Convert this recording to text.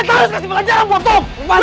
masih belajar ampun